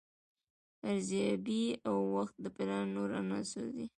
ارزیابي او وخت د پلان نور عناصر دي.